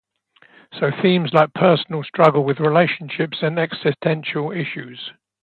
So themes like personal struggle with relationships and existential issues.